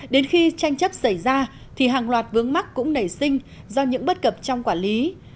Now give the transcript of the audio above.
đến khi tranh chấp xảy ra thì hàng loạt vướng mắc cũng nảy sinh do những bất cập trong quản lý